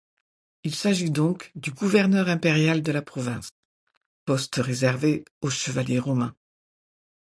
Il s'agit donc du gouverneur impérial de la province, poste réservée aux chevaliers romains.